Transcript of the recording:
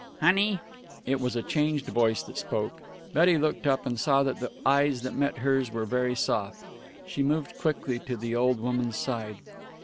"Honey!" It was a changed voice that spoke. Betty looked up, and saw that the eyes that met hers were very soft. She moved quickly to the old woman's side.